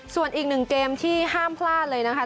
ส่วนอีกหนึ่งเกมที่ห้ามพลาดเลยนะคะ